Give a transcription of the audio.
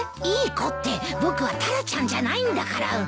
「いい子」って僕はタラちゃんじゃないんだから。